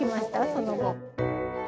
その後。